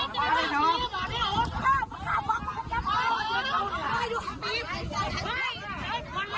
สวัสดีครับทุกคน